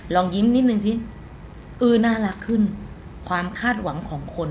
ลองยิ้มนิดนึงสิเออน่ารักขึ้นความคาดหวังของคน